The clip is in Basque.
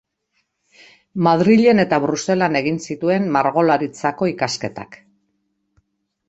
Madrilen eta Bruselan egin zituen Margolaritzako ikasketak.